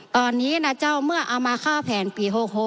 ตอนนี้นะเจ้าเมื่อเอามาฆ่าแผนปี๖๖